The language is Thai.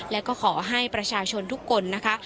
และก็ขอให้ประชาชนทุกคนนะคะ